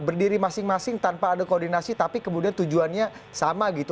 berdiri masing masing tanpa ada koordinasi tapi kemudian tujuannya sama gitu